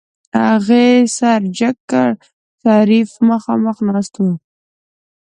هغې سر جګ کړ شريف مخاخ ناست و.